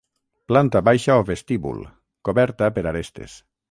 Planta baixa o vestíbul, coberta per arestes.